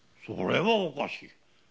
それはおかしい。